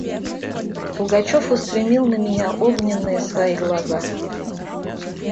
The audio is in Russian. Пугачев устремил на меня огненные свои глаза.